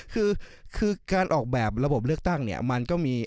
คือการออกแบบระบบเลือกตั้งเนี่ยมันก็มี